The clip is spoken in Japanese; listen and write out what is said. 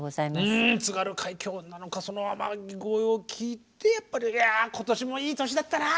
うん「津軽海峡」なのか「天城越え」を聴いてやっぱりいや今年もいい年だったなっていうね。